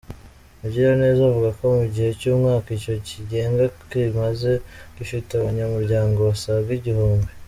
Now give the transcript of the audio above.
Mugiraneza avuga ko mu gihe cy’umwaka icyo kigega kimaze, gifite abanyamuryango basaga igihumbi.